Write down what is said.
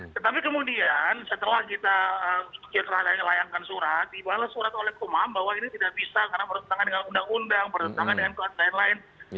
tetapi kemudian setelah kita layankan surat dibawa surat oleh kumam bahwa ini tidak bisa karena bertentangan dengan undang undang bertentangan dengan lain